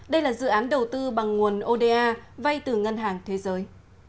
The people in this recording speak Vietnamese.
đây là dự án đầu tư bằng nguồn oda vay từ ngân hàng thế giới